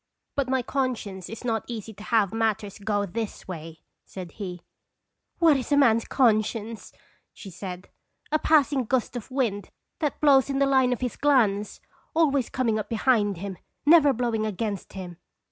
" But my conscience is not easy to have matters go this way," said he. "What is a man's conscience?" she said. " A passing gust of wind that blows in the line 262 " <g|e Second Car& toins. of his glance, always coming up behind him, never blowing against him!"